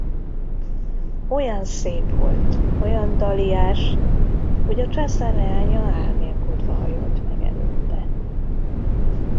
Olyan szép volt, olyan daliás, hogy a császár leánya álmélkodva hajolt meg előtte.